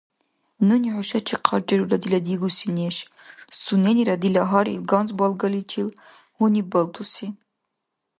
Нуни хӀушачи хъаррирулра дила дигуси неш, суненира дила гьарил ганз балгаличил гьуниббалтуси.